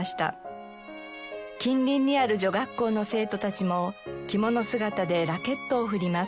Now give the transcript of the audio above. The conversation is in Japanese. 近隣にある女学校の生徒たちも着物姿でラケットを振ります。